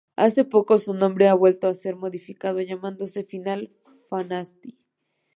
Hace poco su nombre ha vuelto a ser modificado, llamándose ""Final Fantasy"".